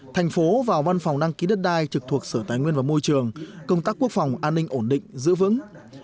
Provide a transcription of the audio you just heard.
thành phố và văn phòng đăng ký đất đai trực thuộc sở tài nguyên và môi trường công tác quốc phòng an ninh ổn định giữ vững